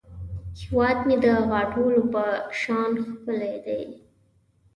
هیواد مې د غاټولو په شان ښکلی دی